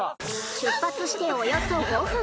出発しておよそ５分。